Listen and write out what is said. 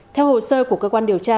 theo hồ sơ của cơ quan điều tra